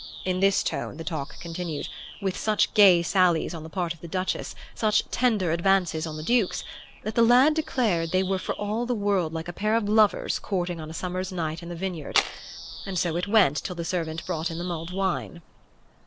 In this tone the talk continued, with such gay sallies on the part of the Duchess, such tender advances on the Duke's, that the lad declared they were for all the world like a pair of lovers courting on a summer's night in the vineyard; and so it went till the servant brought in the mulled wine.